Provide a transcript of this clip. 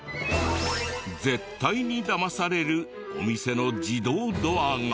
絶対にだまされるお店の自動ドアが。